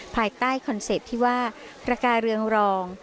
ภายใต้คอนเซ็ปต์ที่ว่าประกาเรืองรอง